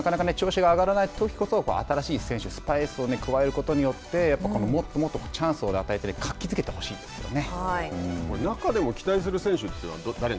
なのでチームがなかなか調子が上がらないときこそ新しい選手をスパイスを加えることによってもっともっとチャンスを与えて活気づけてほしいですよね。